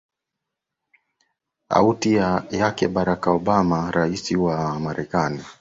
auti yake barrack obama rais wa marekani